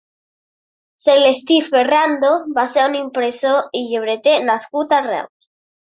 Celestí Ferrando va ser un impressor i llibreter nascut a Reus.